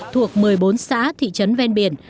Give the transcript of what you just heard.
thuộc một mươi bốn xã thị trấn ven biển